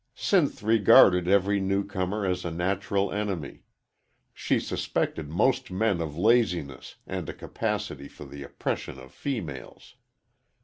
Sinth regarded every new comer as a natural enemy. She suspected most men of laziness and a capacity for the oppression of females.